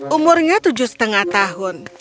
umurnya tujuh setengah tahun